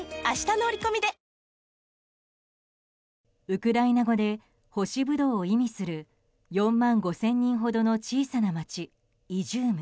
ウクライナ語で干しブドウを意味する４万５０００人ほどの小さな街イジューム。